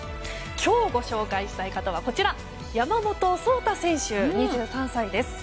今日、ご紹介したい方はこちら山本草太選手、２３歳です。